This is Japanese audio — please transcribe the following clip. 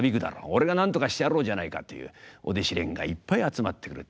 「俺がなんとかしてやろうじゃないか」というお弟子連がいっぱい集まってくる。